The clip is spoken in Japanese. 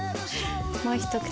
もう一口。